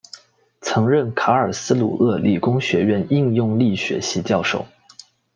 曾任卡尔斯鲁厄理工学院应用力学系教授。